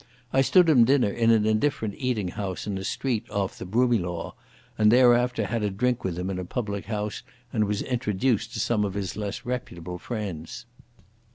I stood him dinner in an indifferent eating house in a street off the Broomielaw, and thereafter had a drink with him in a public house, and was introduced to some of his less reputable friends.